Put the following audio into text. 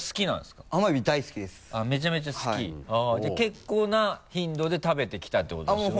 じゃあ結構な頻度で食べてきたってことですよね？